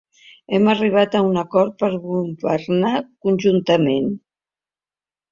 Hem arribat a un acord per a governar conjuntament.